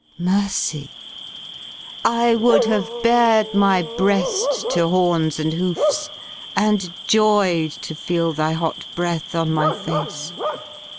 Mercy! /,/ would have bared my breali to horns and hoofs And joyed to feel thy hot breath on my face.